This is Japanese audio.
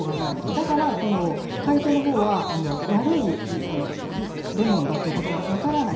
だから買い手の方は悪いレモンだということが分からない。